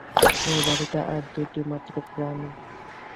এ বাড়িতে আর দুটি মাত্র প্রাণী।